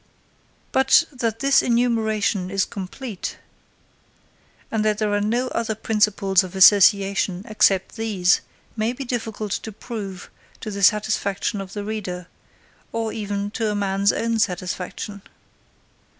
But that this enumeration is complete, and that there are no other principles of association except these, may be difficult to prove to the satisfaction of the reader, or even to a man's own satisfaction.